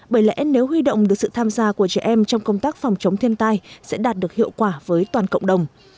bởi lẽ nếu huy động được sự tham gia của trẻ em trong công tác phòng chống thiên tai sẽ đạt được hiệu quả với toàn cộng đồng